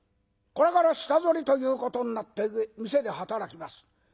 これから下ぞりということになって店で働きます。